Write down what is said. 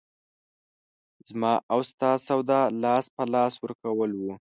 زما او ستا سودا لاس په لاس ورکول وو.